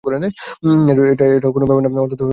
এটা কোন ব্যাপার না, মানে অন্তত চুপ করে থাকাটা।